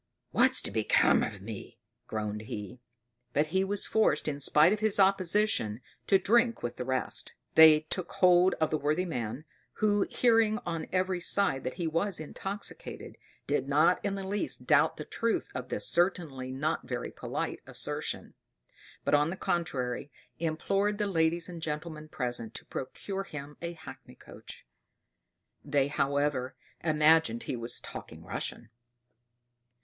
What's to become of me!" groaned he; but he was forced, in spite of his opposition, to drink with the rest. They took hold of the worthy man; who, hearing on every side that he was intoxicated, did not in the least doubt the truth of this certainly not very polite assertion; but on the contrary, implored the ladies and gentlemen present to procure him a hackney coach: they, however, imagined he was talking Russian.